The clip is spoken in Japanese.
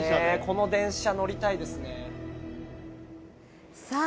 この電車乗りたいですねさあ